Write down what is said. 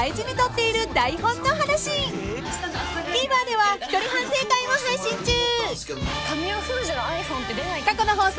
［ＴＶｅｒでは一人反省会も配信中］